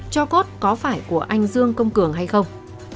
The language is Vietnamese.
cho cốt có phải của anh dương công cường hay không